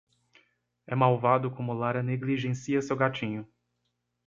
É malvado como Lara negligencia seu gatinho.